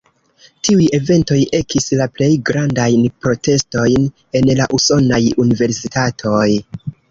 Tiuj eventoj ekis la plej grandajn protestojn en la usonaj universitatoj.